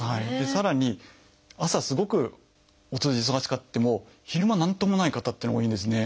さらに朝すごくお通じ忙しくても昼間何ともない方っていうのが多いんですね。